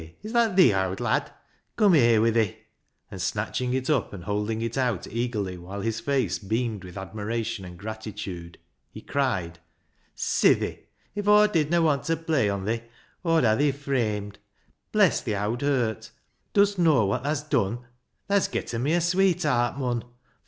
is that thee, owd lad ? Come here wi' thi," and snatching it up and holding it out eagerly, whilst his face beamed with admiration and gratitude, he cried — ISAAC'S FIDDLE 285 " Sithi ! If Aw didna want ta play on thi Aw'd ha' thi framed. Bless thi owd hert, dust know wot tha's dun ? Tha's getten me a sweet heart, mon !